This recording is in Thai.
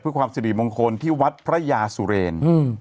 เพื่อความสิริมงคลที่วัดพระยาสุเรน